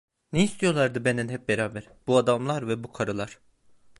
Ne istiyorlardı benden hep beraber bu adamlar ve bu karılar?